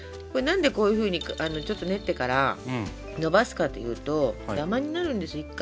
これ何でこういうふうにちょっと練ってからのばすかというとダマになるんです